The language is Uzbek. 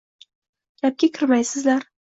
Gapga kirmaysizlar